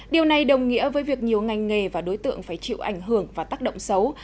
điều này đồng nghĩa với việc nhiều ngành nghề và đối tượng phải chịu ảnh hưởng và tác động xấu